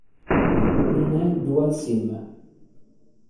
Non è dual-sim.